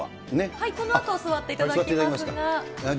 このあと、座っていただきますが。